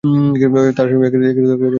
তাঁর স্বামী এম।